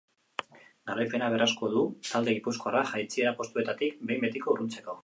Garaipena beharrezkoa du talde gipuzkoarrak jaitsiera postuetatik behin betiko urruntzeko.